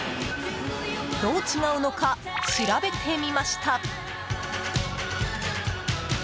どう違うのか調べてみました。